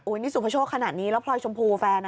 นี่สุภโชคขนาดนี้แล้วพลอยชมพูแฟน